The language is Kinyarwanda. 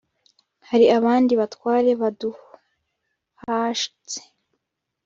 hari abandi batware baduhatse